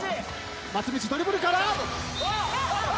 松道ドリブルから。